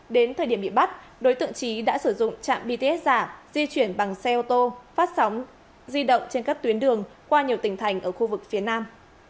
đến thời điểm bị bắt đối tượng trí đã sử dụng trạm bts giả di chuyển bằng xe ô tô phát sóng di động trên các tuyến đường qua nhiều tỉnh thành ở khu vực phía nam